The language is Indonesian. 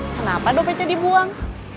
kenapa dompetnya dibuang